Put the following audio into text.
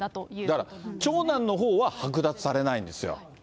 だから長男のほうは剥奪されないんですよ。